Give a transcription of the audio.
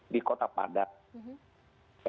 di kota padat